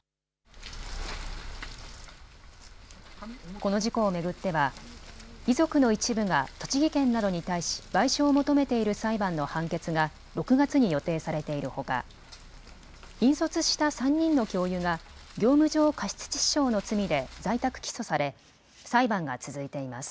この事故を巡っては遺族の一部が栃木県などに対し賠償を求めている裁判の判決が６月に予定されているほか引率した３人の教諭が業務上過失致死傷の罪で在宅起訴され裁判が続いています。